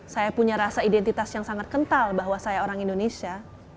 saya punya rasa identitas yang sangat kental bahwa saya orang indonesia